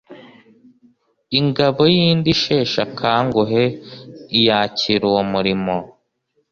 Ingabo yindi isheshe akanguhe iyakira uwo murimo